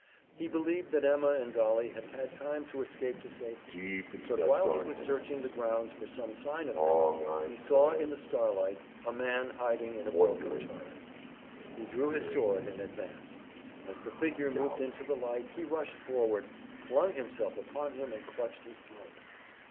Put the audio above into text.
He believed that Emma and Dolly had had time to escape to safety; but while he was searching the grounds for some sign of them he saw in the starlight a man hiding in a broken turret. He drew his sword and advanced. As the figure moved into the light he rushed forward, flung himself upon him and clutched his throat.